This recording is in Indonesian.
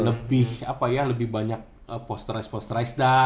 lebih apa ya lebih banyak posterize posterize dan